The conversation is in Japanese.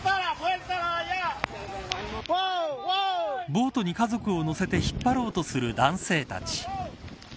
ボートに家族を乗せて引っ張ろうとする男性たち。